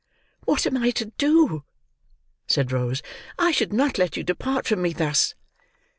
"What am I to do?" said Rose. "I should not let you depart from me thus."